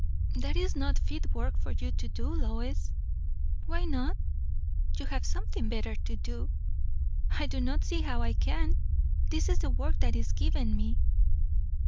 "That is not fit work for you to do, Lois." "Why not?" "You have something better to do." "I do not see how I can. This is the work that is given me."